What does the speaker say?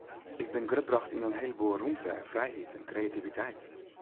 Ik bin grutbrocht yn in hele boel rûmte en frijheid en kreativiteit.